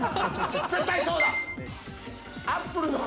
絶対そうだ！